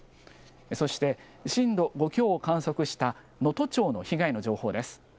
そして、震度５強を観測した能登町の被害の情報です。